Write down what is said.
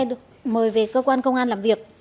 được mời về cơ quan công an làm việc